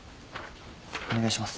お願いします。